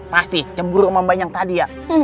pasti cemburu sama bayang tadi ya